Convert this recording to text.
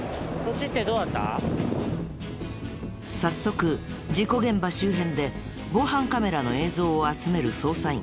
早速事故現場周辺で防犯カメラの映像を集める捜査員。